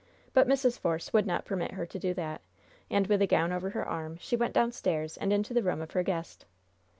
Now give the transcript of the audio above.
But Mrs. Force would not permit her to do that, and, with the gown over her arm, she went downstairs and into the room of her guest.